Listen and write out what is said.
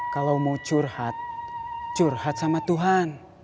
kalau mau curhat curhat sama tuhan